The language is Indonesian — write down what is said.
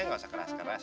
nggak usah keras keras